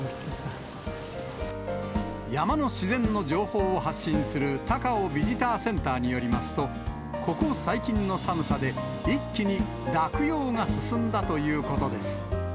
山の自然の情報を発信する、高尾ビジターセンターによりますと、ここ最近の寒さで、一気に落葉が進んだということです。